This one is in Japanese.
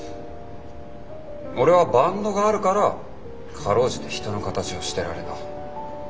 俺はバンドがあるから辛うじて人の形をしてられた。